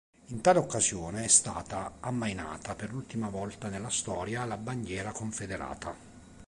In tale occasione è stata ammainata per l'ultima volta nella storia la bandiera confederata.